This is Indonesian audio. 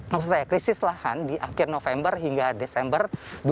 maksud saya krisis lahan di akhir november hingga desember dua ribu dua puluh